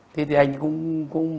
thế thì anh cũng